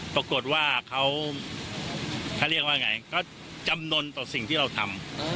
ปรากฏว่าเขาเรียกว่าไงก็จำนวนต่อสิ่งที่เราทำ